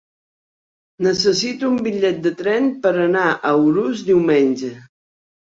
Necessito un bitllet de tren per anar a Urús diumenge.